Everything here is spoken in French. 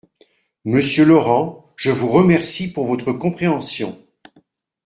Monsieur Laurent, je vous remercie pour votre compréhension.